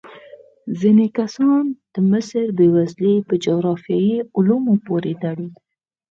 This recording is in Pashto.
ځینې کسان د مصر بېوزلي په جغرافیايي عواملو پورې تړي.